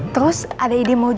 terus ada ide mau